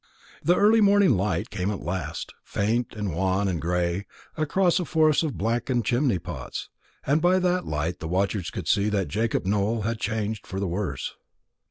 The early morning light came at last, faint and wan and gray, across a forest of blackened chimney pots, and by that light the watchers could see that Jacob Nowell had changed for the worse.